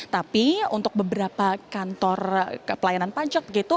tapi untuk beberapa kantor pelayanan pajak begitu